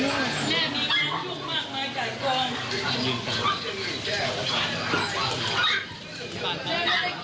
สามารถล๊อคบกลับและชอบเปลี่ยงหลุมลบบนัด